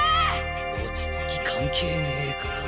落ち着き関係ねえから。